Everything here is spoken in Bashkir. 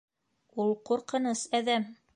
Ул ҡурҡыныс әҙәм!